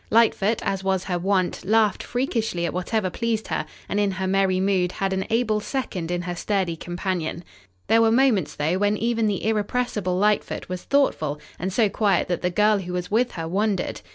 Lightfoot, as was her wont, laughed freakishly at whatever pleased her, and in her merry mood had an able second in her sturdy companion. There were moments, though, when even the irrepressible Lightfoot was thoughtful and so quiet that the girl who was with her wondered.